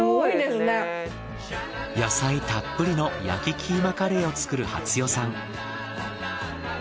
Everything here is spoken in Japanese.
野菜たっぷりの焼きキーマカレーを作るはつ代さん。